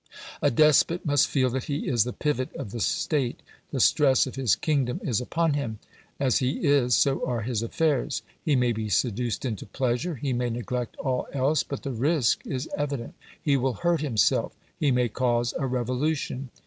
A despot must feel that he is the pivot of the State. The stress of his kingdom is upon him. As he is, so are his affairs. He may be seduced into pleasure; he may neglect all else; but the risk is evident. He will hurt himself; he may cause a revolution.